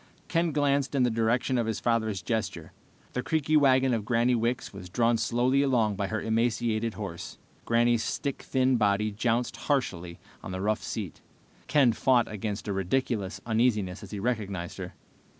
Ken glanced in the direction of his father's gesture. The creaky wagon of Granny Wicks was drawn slowly along by her emaciated horse. Granny's stick thin body jounced harshly on the rough seat. Ken fought against a ridiculous uneasiness as he recognized her.